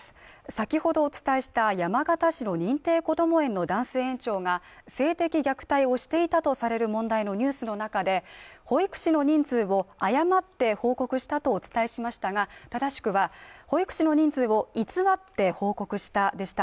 先ほどお伝えした山形市の認定こども園の男性園長が性的虐待をしていたとされる問題のニュースの中で保育士の人数を誤って報告したとお伝えしましたが、正しくは保育士の人数を偽って報告したでした。